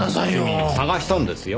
君捜したんですよ。